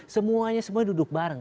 semuanya semuanya duduk bareng